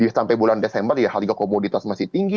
sampai bulan desember ya harga komoditas masih tinggi